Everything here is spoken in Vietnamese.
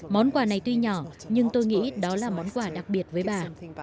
món quà này tuy nhỏ nhưng tôi nghĩ đó là món quà đặc biệt với bà